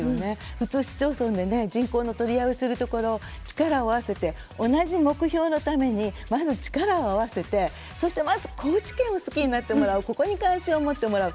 普通、市町村で人口の取り合いをするところ力を合わせて同じ目標のためにまず力を合わせてそして、まず高知県を好きになってもらうここに関心を持ってもらう。